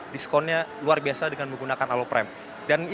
diskonnya luar biasa dengan menggunakan aloprime